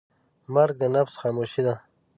مرګ د نفس خاموشي ده.